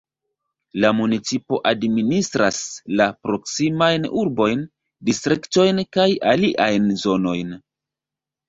La municipo administras la proksimajn urbojn, distriktojn kaj aliajn zonojn.